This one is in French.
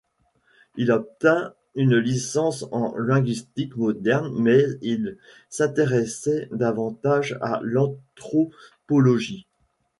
Il obtint une licence en linguistique moderne mais il s'intéressait davantage à l'anthropologie.